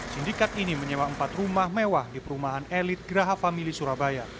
sindikat ini menyewa empat rumah mewah di perumahan elit geraha famili surabaya